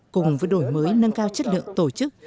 cùng với đổi mới nâng cao chất lượng tổ chức